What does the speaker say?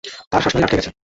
তাঁর শ্বাসনালী আটকে গেছে।